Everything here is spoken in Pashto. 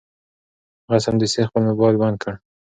هغه سمدستي خپل مبایل بند کړ.